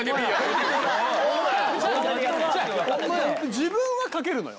自分はかけるのよ